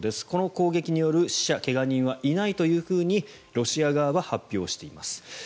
この攻撃による死者・怪我人はいないというふうにロシア側は発表しています。